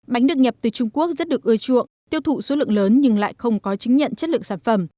bánh được nhập từ trung quốc rất được ưa chuộng tiêu thụ số lượng lớn nhưng lại không có chứng nhận chất lượng sản phẩm